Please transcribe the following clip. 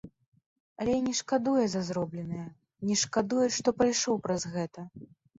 Але я не шкадуе за зробленае, не шкадую, што прайшоў праз гэта.